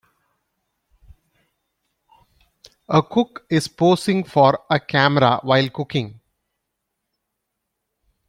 A cook is posing for a camera while cooking.